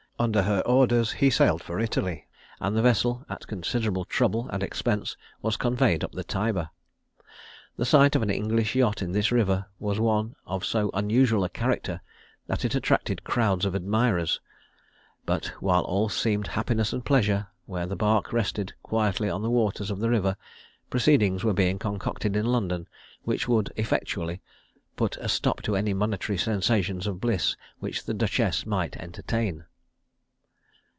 Under her orders he sailed for Italy; and the vessel, at considerable trouble and expense, was conveyed up the Tiber. The sight of an English yacht in this river was one of so unusual a character that it attracted crowds of admirers; but while all seemed happiness and pleasure where the bark rested quietly on the waters of the river, proceedings were being concocted in London which would effectually put a stop to any momentary sensations of bliss which the duchess might entertain.